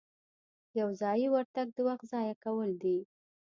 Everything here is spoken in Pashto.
یو ځایي ورتګ د وخت ضایع کول دي.